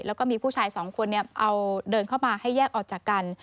แล้วก็มีผู้ชายสองคนเอาเดินเข้ามาให้แยกออกจากกัน